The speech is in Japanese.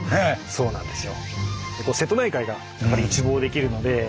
そうなんですよ。